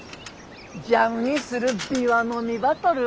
ジャムにするビワの実ば取る。